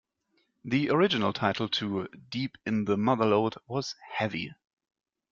The original title to "Deep in the Motherlode" was "Heavy".